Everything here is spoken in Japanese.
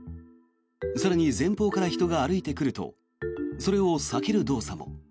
更に前方から人が歩いてくるとそれを避ける動作も。